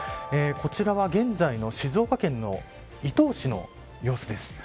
こちらは現在の静岡県の伊東市の様子です